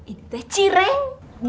ini teh cireng